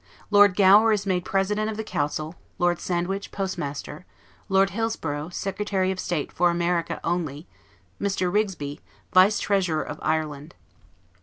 Lord Gower is made President of the Council, Lord Sandwich, Postmaster, Lord Hillsborough, Secretary of State for America only, Mr. Rigby, Vice treasurer of Ireland.